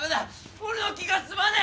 俺の気が済まねえ！